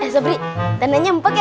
sabri tanahnya empuk ya